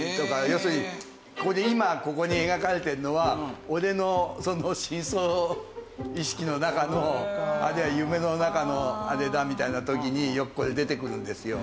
要するに今ここに描かれてるのは俺の深層意識の中のあるいは夢の中のあれだみたいな時によくこれ出てくるんですよ。